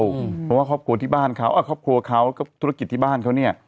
เพราะว่าครอบครัวที่บ้านเขาครอบครัวเขาก็ธุรกิจที่บ้านเขาเนี่ย